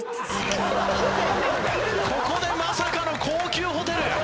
ここでまさかの高級ホテル！